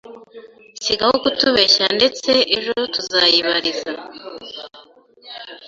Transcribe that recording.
Sigaho kutubeshya ndetse ejo tuzayibariza